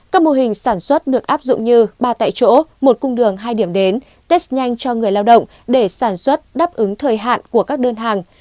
các mô hình sản xuất được áp dụng như ba tại chỗ một cung đường hai điểm đến test nhanh cho người lao động để sản xuất đáp ứng thời hạn của các đơn hàng